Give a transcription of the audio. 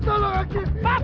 tolong aku aku